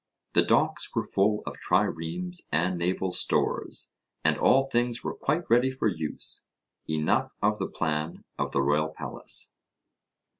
The docks were full of triremes and naval stores, and all things were quite ready for use. Enough of the plan of the royal palace.